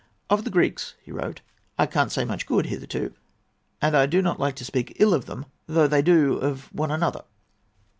"Of the Greeks," he wrote, "I can't say much good hitherto, and I do not like to speak ill of them, though they do of one another."